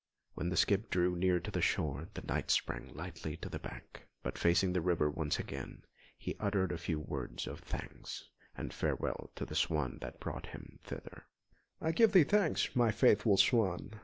When the skiff drew near to the shore, the Knight sprang lightly to the bank; but facing the river once again, he uttered a few words of thanks and farewell to the swan that had brought him thither: "I give thee thanks, my faithful swan!